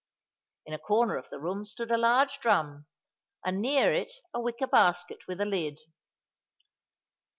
In a corner of the room stood a large drum, and near it a wicker basket with a lid.